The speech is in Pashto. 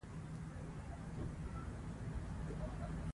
چي په باغ کي دي یاران وه هغه ټول دلته پراته دي